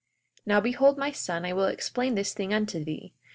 42:2 Now behold, my son, I will explain this thing unto thee.